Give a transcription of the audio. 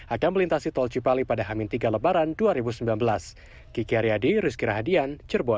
akan melintasi tol cipali pada hamin tiga lebaran dua ribu sembilan belas